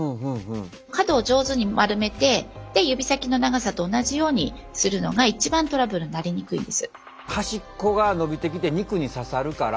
角を上手に丸めて指先の長さと同じようにするのが一番トラブルになりにくいです。